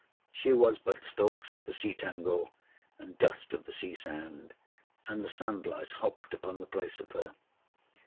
she was but stalks of the sea tangle, and dust of the sea sand, and the sand lice hopped upon the place of her.